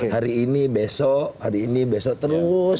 hari ini besok hari ini besok terus